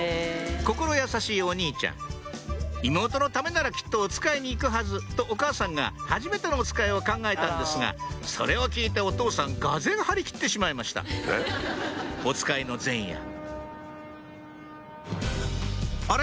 心優しいお兄ちゃん妹のためならきっとおつかいに行くはずとお母さんがはじめてのおつかいを考えたんですがそれを聞いてお父さん俄然張り切ってしまいましたおつかいの前夜あれ？